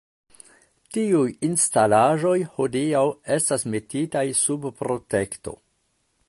Tiuj instalaĵoj hodiaŭ estas metitaj sub protekto.